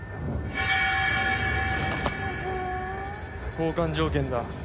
交換条件だ。